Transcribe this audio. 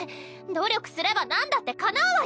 努力すればなんだってかなうわよ！